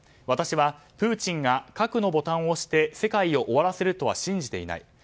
私はプーチンが核のボタンを押して世界を終わらせるとは信じていない。